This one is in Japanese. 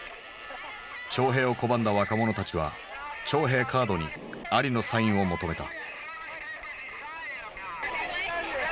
徴兵を拒んだ若者たちは徴兵カードにアリのサインを求めた。